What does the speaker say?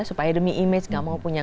supaya demi image gak mau punya